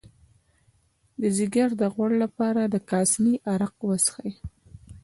د ځیګر د غوړ لپاره د کاسني عرق وڅښئ